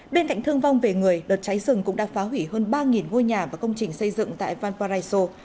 bên cạnh thương vong về người đợt cháy rừng cũng đã phá hủy hơn ba ngôi nhà và công trình xây dựng tại valparaiso